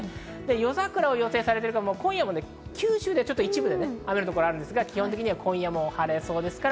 夜桜を予定されてる方、九州は一部で雨の所があるんですが、基本的には今夜も晴れそうです。